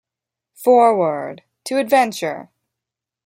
Forward... to Adventure!